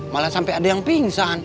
malah sampai ada yang pingsan